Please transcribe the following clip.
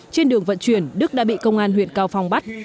trên đường vận chuyển đức đã bị công an huyện cao phong bắt